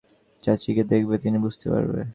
চাচিকে দেখেবে, তিনি বুঝতে পারবে।